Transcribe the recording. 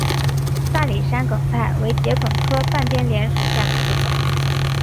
大理山梗菜为桔梗科半边莲属下的一个种。